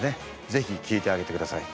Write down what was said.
ぜひ聞いてあげてください。